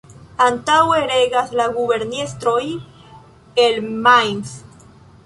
Antaŭe regas la guberniestroj el Mainz.